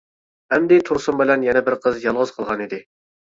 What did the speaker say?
ئەمدى تۇرسۇن بىلەن يەنە بىر قىز يالغۇز قالغانىدى.